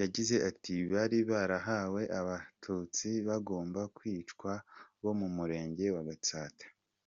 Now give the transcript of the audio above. Yagize ati “Bari barahawe abatutsi bagomba kwicwa bo mu murenge wa Gatsata.